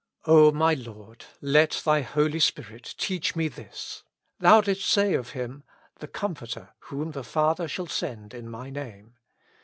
O my Lord ! let Thy Holy Spirit teach me this. Thou didst say of Him, " The Comforter, whom the Father shall send in my Name."